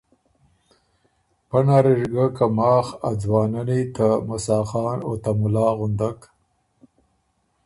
پۀ نر اِر ګۀ که ماخ ا ځوانني ته موسیٰ خان او ته مُلا غُندک